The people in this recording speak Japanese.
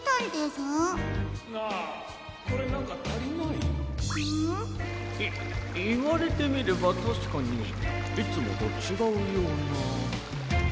いいわれてみればたしかにいつもとちがうような。